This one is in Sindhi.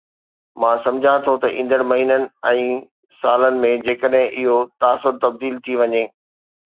مان سمجهان ٿو ته ايندڙ مهينن ۽ سالن ۾، جيڪڏهن اهو تاثر تبديل ٿي وڃي.